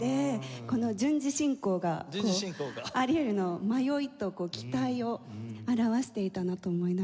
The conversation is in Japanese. この順次進行がアリエルの迷いと期待を表していたなと思いながら。